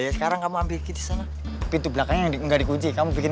sekarang kamu ambil sana pintu belakangnya nggak dikunci kamu bikin